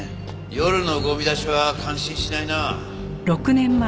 夜のゴミ出しは感心しないなあ。